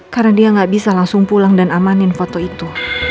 karena dia gak bisa langsung pulang dan amanin foto itu